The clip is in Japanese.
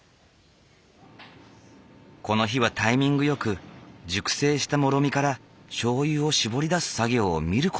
この日はタイミングよく熟成したもろみからしょうゆを搾り出す作業を見る事ができた。